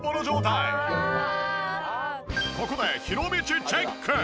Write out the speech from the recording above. ここでひろみちチェック！